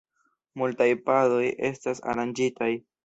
Multaj padoj estas aranĝitaj.